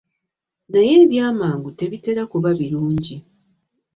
Naye ebya mangu tebitera kuba birungi.